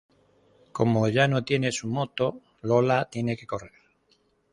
Como ya no tiene su moto, Lola tiene que correr.